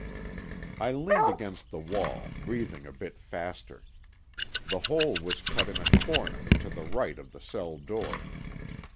I leaned against the wall, breathing a bit faster. The hole was cut in a corner, to the right of the cell door.